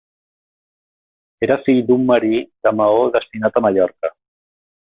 Era fill d'un marí de Maó destinat a Mallorca.